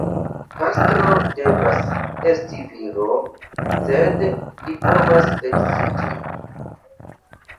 Pastro devas esti viro, sed li povas edziĝi.